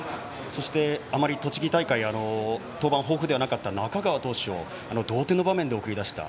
そして、あまり栃木大会登板、豊富でなかった中川投手を同点の場面で送り出した。